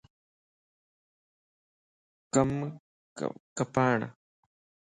ڪنم ڪپاھڻ